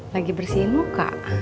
lagi bersihin muka